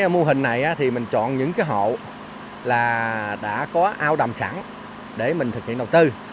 mô hình này mình chọn những hộ đã có ao đầm sẵn để mình thực hiện đầu tư